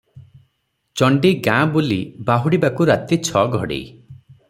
ଚଣ୍ଡୀ ଗାଁ ବୁଲି ବାହୁଡ଼ିବାକୁ ରାତି ଛ ଘଡ଼ି ।